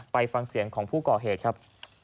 ไปฟังเสียงของผู้ก่อเหตุครับ